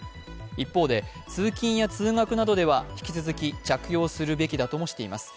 一方で、通勤や通学などでは引き続き着用するべきだともしています。